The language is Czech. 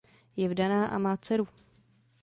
Je vdaná a má dceru.